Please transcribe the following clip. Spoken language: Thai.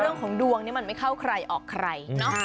เรื่องของดวงนี้มันไม่เข้าใครออกใครเนาะ